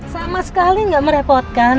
sama sekali gak merepotkan